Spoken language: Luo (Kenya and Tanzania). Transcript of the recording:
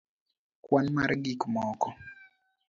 kwan mar gik moko